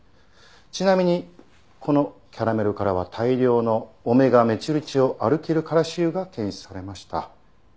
ちなみにこのキャラメルからは大量のΩ−メチルチオアルキルからし油が検出されました。